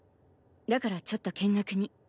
だからちょっと見学に。